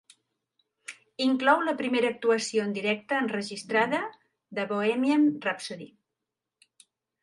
Inclou la primera actuació en directe enregistrada de "Bohemian Rhapsody".